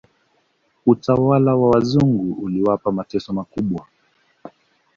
Utawala wa wazungu uliwapa mateso makubwa